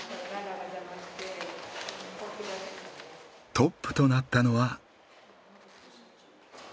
トップとなったのは。